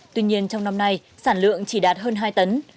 tuy nhiên trong năm nay sản lượng chỉ đạt hơn hai tấn